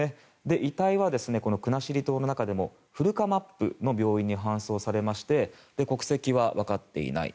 遺体は国後島の中でも古釜布の病院に搬送されまして国籍は分かっていない。